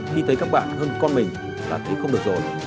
khi thấy các bạn hơn con mình là khi không được rồi